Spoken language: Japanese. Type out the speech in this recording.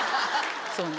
そうね。